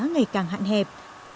ngày càng hạn hẹp